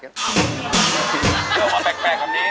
อ๋อแปลกสินะ